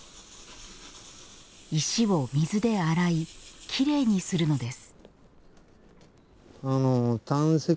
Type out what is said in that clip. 石を水で洗いきれいにするのです。